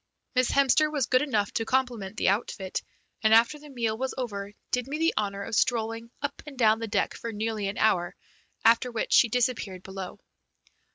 Miss Hemster was good enough to compliment the outfit, and, after the meal was over, did me the honour of strolling up and down the deck for nearly an hour, after which she disappeared below.